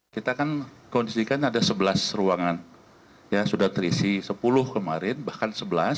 kita kan kondisikan ada sebelas ruangan ya sudah terisi sepuluh kemarin bahkan sebelas